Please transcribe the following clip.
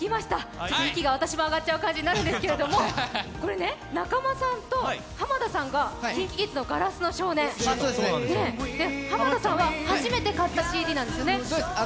私も息が上がっちゃう感じになるんですけど、中間さんと濱田さんがＫｉｎＫｉＫｉｄｓの「硝子の少年」、濱田さんは初めて買ったＣＤなんですよね？